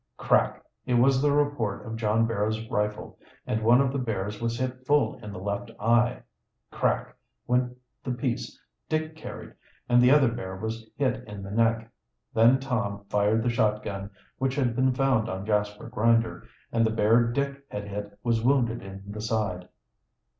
Crack! It was the report of John Barrow's rifle, and one of the bears was hit full in the left eye. Crack! went the piece Dick carried, and the other bear was hit in the neck. Then Tom fired the shotgun which had been found on Jasper Grinder, and the bear Dick had hit was wounded in the side.